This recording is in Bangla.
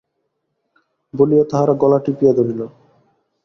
বলিয়া তাহার গলা টিপিয়া ধরিল।